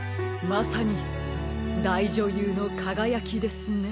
まさにだいじょゆうのかがやきですね。